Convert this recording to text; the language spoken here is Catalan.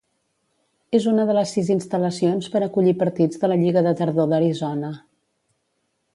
És una de les sis instal·lacions per acollir partits de la Lliga de Tardor d'Arizona.